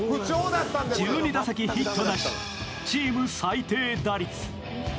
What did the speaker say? １２打席ヒットなし、チーム最低打率。